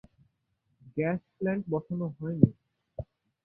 Gas plant বসানো হয়নি।